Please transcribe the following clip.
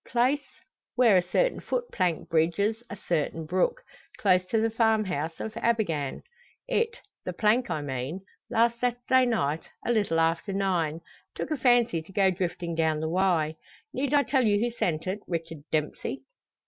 Place where a certain foot plank bridges a certain brook, close to the farmhouse of Abergann. It the plank, I mean last Saturday night, a little after nine, took a fancy to go drifting down the Wye. Need I tell you who sent it, Richard Dempsey?"